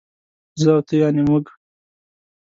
زه او ته يعنې موږ